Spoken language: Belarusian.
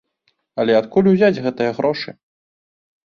Але адкуль узяць гэтыя грошы?